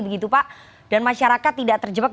begitu pak dan masyarakat tidak terjebak